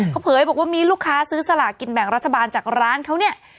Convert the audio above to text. เขาเผยบอกว่ามีลูกค้าซื้อสลากินแบ่งรัฐบาลจากร้านเขาเนี่ย